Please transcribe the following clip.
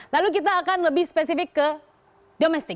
lalu kita akan lebih spesifik ke domestik